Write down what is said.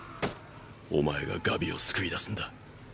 お前がガビを救い出すんだ。